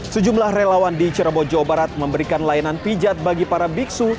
sejumlah relawan di cirebon jawa barat memberikan layanan pijat bagi para biksu